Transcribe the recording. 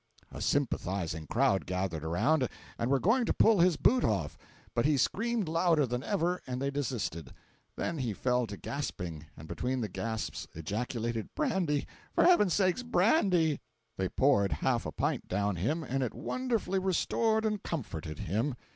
A sympathizing crowd gathered around and were going to pull his boot off; but he screamed louder than ever and they desisted; then he fell to gasping, and between the gasps ejaculated "Brandy! for Heaven's sake, brandy!" They poured half a pint down him, and it wonderfully restored and comforted him.